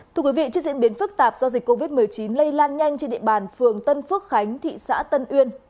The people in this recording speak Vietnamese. thưa quý vị trước diễn biến phức tạp do dịch covid một mươi chín lây lan nhanh trên địa bàn phường tân phước khánh thị xã tân uyên